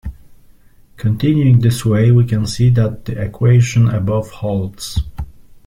Continuing this way we can see that the equation above holds.